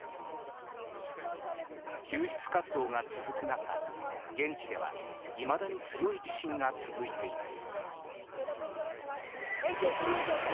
救出活動が続く中、現地ではいまだに強い地震が続いています。